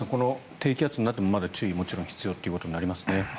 低気圧になってもまだ注意がもちろん必要ということになりますね。